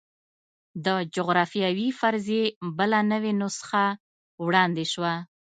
د جغرافیوي فرضیې بله نوې نسخه وړاندې شوه.